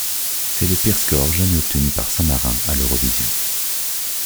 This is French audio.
C'est le pire score jamais obtenu par Saint-Marin à l'Eurovision.